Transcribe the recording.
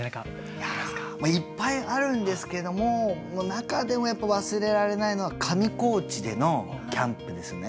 いやいっぱいあるんですけども中でも忘れられないのは上高地でのキャンプですね。